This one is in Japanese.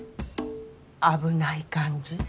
危ない感じ？